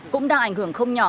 cũng đã ảnh hưởng không nhỏ